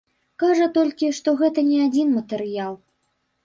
Кажа толькі, што гэта не адзін матэрыял.